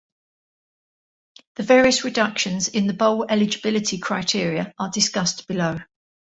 The various reductions in the bowl eligibility criteria are discussed below.